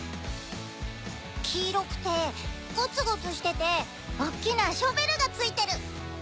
黄色くてゴツゴツしてておっきなショベルがついてる！